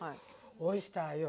オイスターよ。